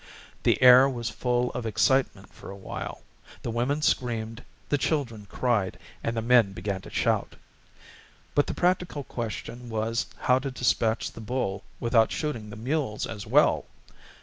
The air was full of excitement for a while. The women screamed, the children cried, and the men began to shout. But the practical question was how to dispatch the bull without shooting the mules as well.